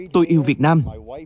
tôi yêu việt nam